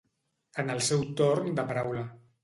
En el seu torn de paraula.